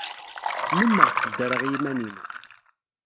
Nnumeɣ tteddreɣ i yiman-inu.